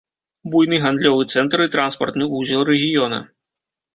Буйны гандлёвы цэнтр і транспартны вузел рэгіёна.